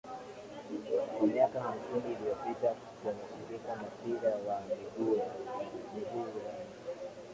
Kwa miaka hamsini iliyopita kwenye shirika mapira wa miguu Ulaya